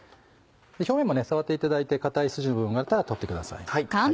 表面も触っていただいて硬いスジの部分があったら取ってください。